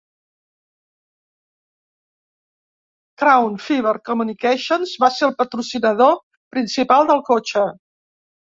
Crown Fiber Communications va ser el patrocinador principal del cotxe.